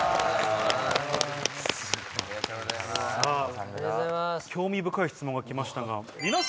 ありがとうございます。